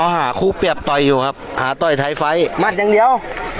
หาคู่เปรียบต่อยอยู่ครับหาต่อยไทยไฟท์มัดอย่างเดียว